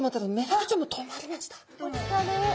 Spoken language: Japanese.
お疲れ。